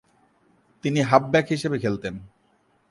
তিনি half back হিসেবে খেলতেন।